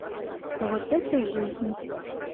Вот это жизнь!